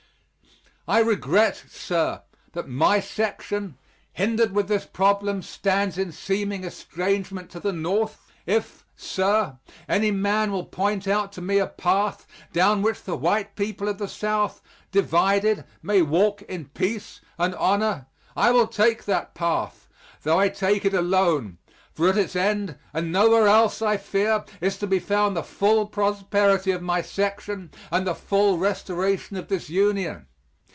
I regret, sir, that my section, hindered with this problem, stands in seeming estrangement to the North. If, sir, any man will point out to me a path down which the white people of the South, divided, may walk in peace and honor, I will take that path, though I take it alone for at its end, and nowhere else, I fear, is to be found the full prosperity of my section and the full restoration of this Union.